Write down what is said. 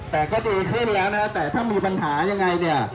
แต่ก็ดีขึ้นแล้วพอมีปัญหายังไง